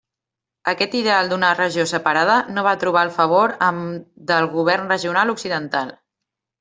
Aquest ideal d'una regió separada no va trobar el favor amb del govern regional occidental.